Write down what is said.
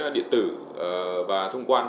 điện tử và thông quan